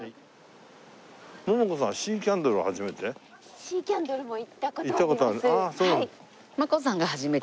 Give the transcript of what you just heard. シーキャンドルも行った事あります。